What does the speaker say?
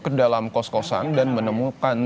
ke dalam kos kosan dan menemukan